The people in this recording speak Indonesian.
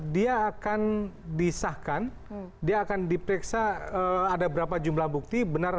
dia akan disahkan dia akan diperiksa ada berapa jumlah bukti benar